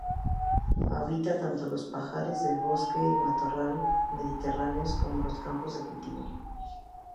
Habita tanto los parajes de bosque y matorral mediterráneos como los campos de cultivo.